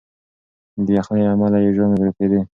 د یخنۍ له امله یې ژامې رپېدې.